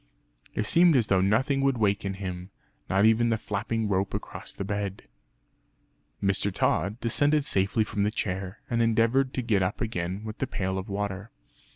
It seemed as though nothing would waken him not even the flapping rope across the bed. Mr. Tod descended safely from the chair, and endeavoured to get up again with the pail of water.